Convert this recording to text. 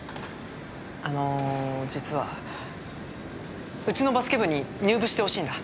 あの実はうちのバスケ部に入部してほしいんだ。